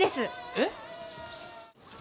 えっ？